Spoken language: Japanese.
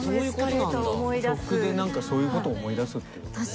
曲で何かそういうことを思い出すってことだね。